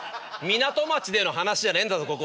港町での話じゃねえんだぞここ。